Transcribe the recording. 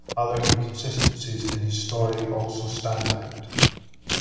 Other inconsistencies in his story also stand out.